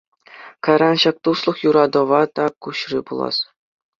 Кайран ҫак туслӑх юратӑва та куҫрӗ пулас.